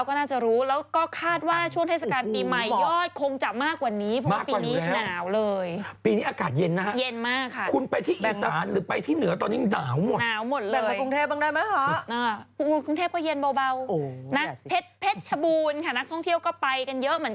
ภูทับเบิกไงพี่มันเป็นที่ยอดคิดสำหรับคนที่จะไปภูทับเบิกมีอีกแยกหนึ่ง